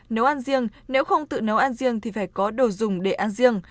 nếu ăn riêng nếu không tự nấu ăn riêng thì phải có đồ dùng để ăn riêng